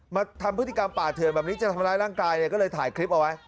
มาทำพฤติกรรมป่าเถื่อนแบบนี้จะทำร้ายร่างกายเนี่ยก็เลยถ่ายคลิปเอาไว้